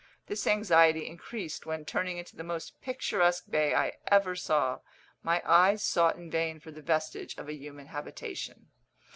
This anxiety increased when, turning into the most picturesque bay I ever saw, my eyes sought in vain for the vestige of a human habitation.